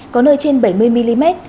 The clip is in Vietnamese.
có nơi trên bảy mươi mm